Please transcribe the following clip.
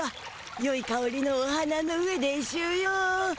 よいかおりのお花の上でしゅよ。